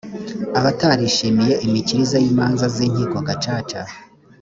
abatarishimiye imikirize y imanza z inkiko gacaca